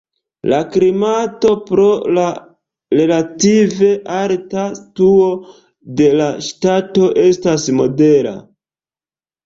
La klimato pro la relative alta situo de la ŝtato estas modera.